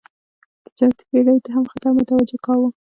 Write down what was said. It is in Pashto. تجارتي بېړیو ته هم خطر متوجه کاوه.